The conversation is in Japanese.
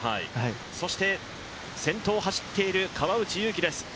そして、先頭を走っている川内優輝です。